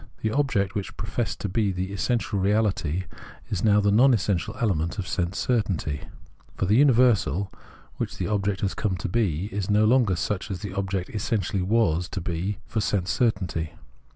The object, which pro fessed to be the essential reahty, is now the non essential element of sense certainty ; for the universal, which the object has come to be, is no longer such as the object essentially was to be for sense certainty.